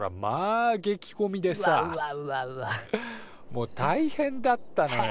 もう大変だったのよ。